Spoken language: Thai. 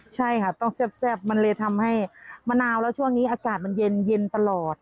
ใช่ค่ะต้องแซ่บมันเลยทำให้มะนาวแล้วช่วงนี้อากาศมันเย็นตลอด